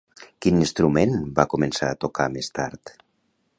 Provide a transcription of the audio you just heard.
Quin instrument va començar a tocar, més tard?